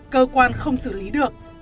cơ quan không xử lý được